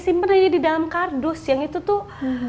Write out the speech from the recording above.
simpan aja di dalam kardus yang itu tuh